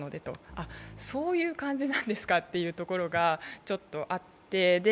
あ、そういう感じなんですかというのがちょっとあって。